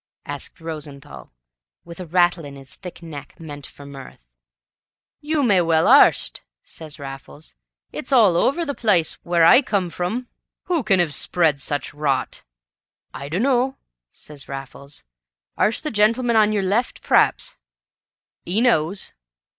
asked Rosenthall, with a rattle in his thick neck, meant for mirth. "You may well arst," says Raffles. "It's all over the plice w'ere I come from." "Who can have spread such rot?" "I dunno," says Raffles; "arst the gen'leman on yer left; p'r'aps 'E knows."